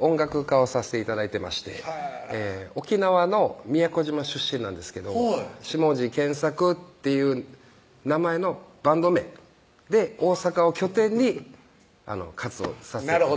音楽家をさせて頂いてまして沖縄の宮古島出身なんですけど下地健作っていう名前のバンド名で大阪を拠点に活動させて頂いてます